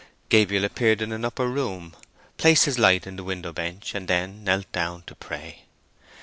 Gabriel appeared in an upper room, placed his light in the window bench, and then—knelt down to pray.